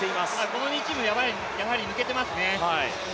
この２チーム、やはり抜けています。